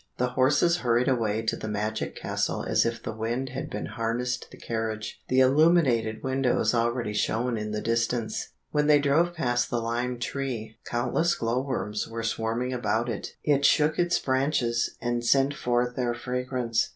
The horses hurried away to the magic castle as if the wind had been harnessed to the carriage. The illuminated windows already shone in the distance. When they drove past the lime tree, countless glow worms were swarming about it. It shook its branches, and sent forth their fragrance.